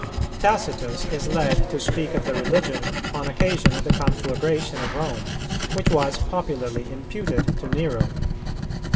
Tacitus is led to speak of the Religion, on occasion of the conflagration of Rome, which was popularly imputed to Nero.